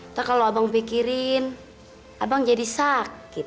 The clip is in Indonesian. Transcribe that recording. atau kalau abang pikirin abang jadi sakit